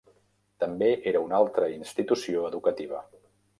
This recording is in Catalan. També era una altra institució educativa.